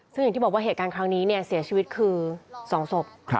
ซึ่งอย่างที่บอกว่าเหตุการณ์ครั้งนี้เสียชีวิตคือ๒ศพ